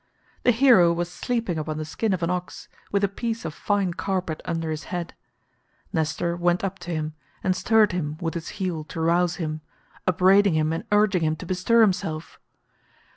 The hero was sleeping upon the skin of an ox, with a piece of fine carpet under his head; Nestor went up to him and stirred him with his heel to rouse him, upbraiding him and urging him to bestir himself.